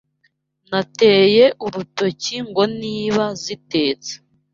Nateye urutoki Ngo niba zitetse